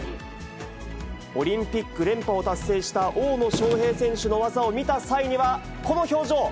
オリンピック連覇を達成した大野将平選手の技を見た際には、この表情。